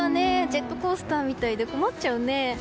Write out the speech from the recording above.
ジェットコースターみたいで困っちゃうね。